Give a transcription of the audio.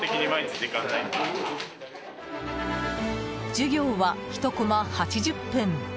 授業は１コマ８０分。